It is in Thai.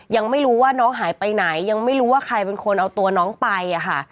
ยังไม่รู้ว่าน้องหายไปไหนยังไม่รู้ว่าใครเป็นคนเอาตัวน้องไปอะค่ะ